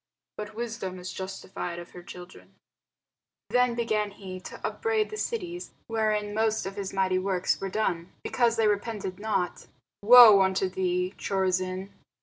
But wisdom is justified of her children. [Sidenote: St. Luke 7] Then began he to upbraid the cities wherein most of his mighty works were done, because they repented not: Woe unto thee, Chorazin!